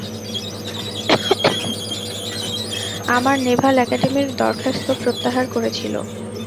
আমার নেভাল অ্যাকাডেমির দরখাস্ত প্রত্যাহার করেছিল।